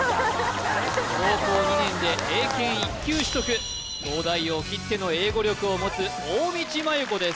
高校２年で英検１級取得東大王きっての英語力を持つ大道麻優子です